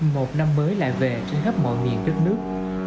một năm mới lại về trên khắp mọi miền đất nước